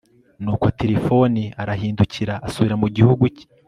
nuko tirifoni arahindukira asubira mu gihugu cye